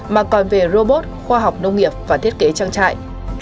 mà còn về robot khoa học nông nghiệp và thiết kế trang trại